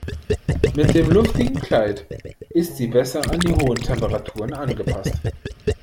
Mit dem luftigen Kleid ist sie besser an die hohen Temperaturen angepasst.